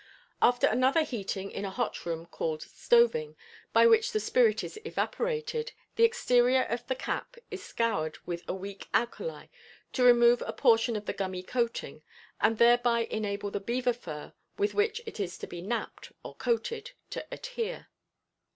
After another heating in a hot room, called "stoving," by which the spirit is evaporated, the exterior of the cap is scoured with a weak alkali, to remove a portion of the gummy coating, and thereby enable the beaver fur with which it is to be "napped" or "coated," to adhere.